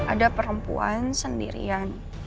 ada perempuan sendirian